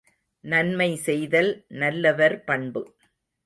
நன்மை செய்தல் நல்லவர் பண்பு.